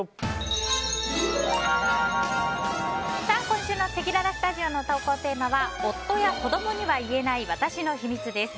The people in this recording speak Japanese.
今週のせきららスタジオの投稿テーマは夫や子供には言えない私の秘密です。